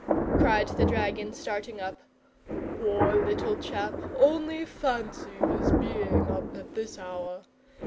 cried the dragon, starting up. "Poor little chap, only fancy his being up at this hour!